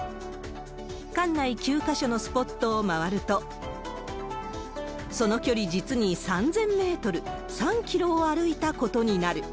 館内９か所のスポットを回ると、その距離実に３０００メートル、３キロを歩いたことになる。